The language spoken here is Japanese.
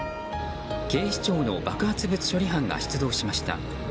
警視庁の爆発物処理班が出動しました。